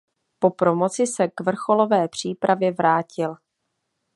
Po promoci se k vrcholové přípravě vrátil.